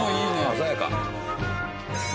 鮮やか！